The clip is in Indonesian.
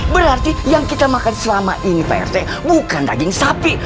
berarti yang kita makan selama ini pak rt bukan daging sapi